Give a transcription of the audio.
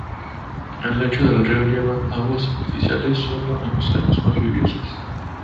El lecho del río lleva aguas superficiales solo en los años más lluviosos.